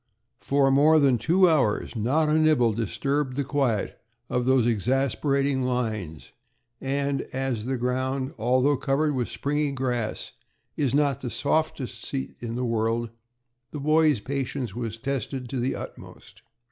For more than two hours not a nibble disturbed the quiet of those exasperating lines, and, as the ground, although covered with springy grass, is not the softest seat in the world, the boys' patience was tested to the utmost.